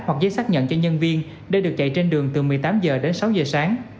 hoặc giấy xác nhận cho nhân viên để được chạy trên đường từ một mươi tám h đến sáu giờ sáng